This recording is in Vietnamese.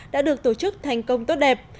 đã được tổ chức thành công tốt đẹp